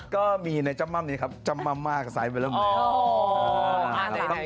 ก็มีในจำม่ำนี้ครับจำม่ำมากซ้ายเวลาเหมือน